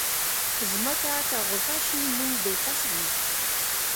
مځکه که غوسه شي، موږ بېکسه یو.